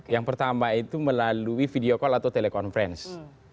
yang pertama itu melalui video call atau telekonferensi